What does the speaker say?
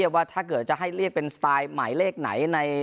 ว่าถ้าเกิดจะให้เรียกเป็นสไตล์หมายเลขไหน